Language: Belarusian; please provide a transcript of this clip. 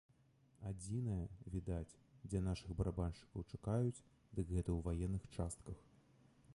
Адзінае, відаць, дзе нашых барабаншчыкаў чакаюць, дык гэта ў ваенных частках.